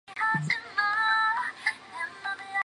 镍镉电池是一种流行的蓄电池。